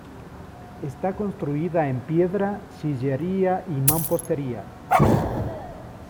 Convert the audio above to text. Está construida en piedra, sillería y mampostería.